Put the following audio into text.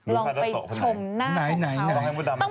ลองไปชมหน้าของเขา